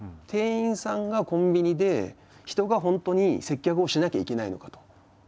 店員さんがコンビニで人が本当に接客をしなきゃいけないのかと。